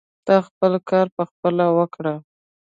ته خپل کار پخپله وکړه.